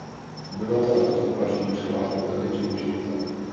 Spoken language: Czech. Obyvatelé ostrova žijí převážně tradičním životem.